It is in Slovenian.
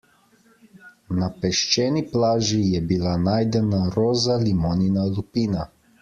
Na peščeni plaži je bila najdena roza limonina lupina.